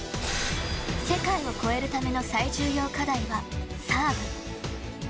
世界を越えるための最重要課題はサーブ。